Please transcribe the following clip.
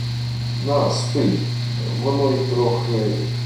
— На, спий, воно й трохи...